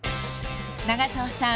長澤さん